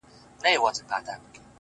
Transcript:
زه به د څو شېبو لپاره نور؛